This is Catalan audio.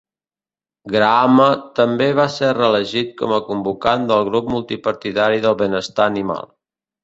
Grahame també va ser reelegit com a convocant del Grup multipartidari del benestar animal.